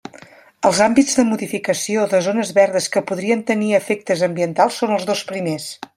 Els àmbits de modificació de zones verdes que podrien tenir efectes ambientals són els dos primers.